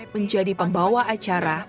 menjadi pembawa acara